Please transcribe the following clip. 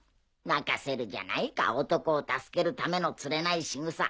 泣かせるじゃないか男を助けるためのつれないしぐさ